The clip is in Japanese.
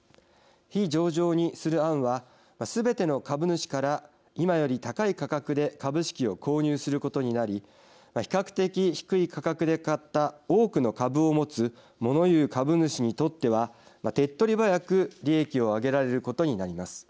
非上場にする案はすべての株主から今より高い価格で株式を購入することになり比較的、低い価格で買った多くの株を持つもの言う株主にとっては手っとり早く利益を上げられることになります。